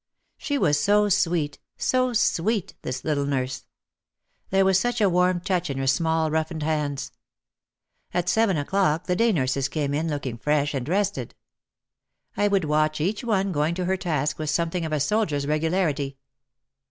She was so sweet, so sweet, this little nurse. There was such a warm touch in her small roughened hands. At seven o'clock the day nurses came in looking fresh and rested. I would watch each one going to her task with something of a soldier's regularity.